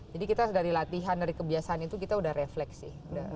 jadi kita dari latihan dari kebiasaan itu kita udah reflect sih